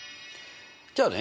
じゃあね